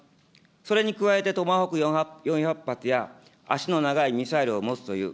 それに加えてトマホーク４００発や足の長いミサイルを持つという。